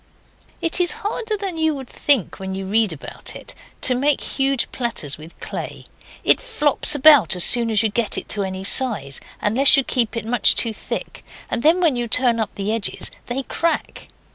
It is harder than you would think when you read about it, to make huge platters with clay. It flops about as soon as you get it any size, unless you keep it much too thick, and then when you turn up the edges they crack.